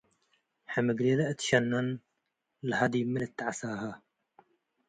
ሕምግሌለ እት ሸነን - ለሀ ዲብ ሚ ልትዐሳሀ